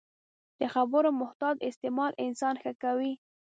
د خبرو محتاط استعمال انسان ښه کوي